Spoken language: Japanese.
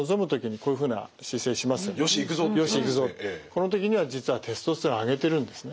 この時には実はテストステロンを上げてるんですね。